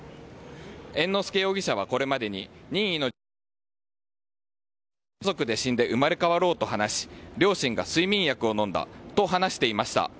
猿之助容疑者はこれまでに、任意の家族で死んで生まれ変わろうと話し、両親が睡眠薬をのんだと話していました。